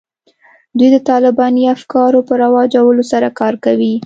دوی د طالباني افکارو په رواجولو سره کار کوي